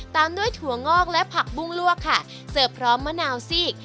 ตามด้วยถั่วงอกและผักบุ้งลวกค่ะเสิร์ฟพร้อมมะนาวซีก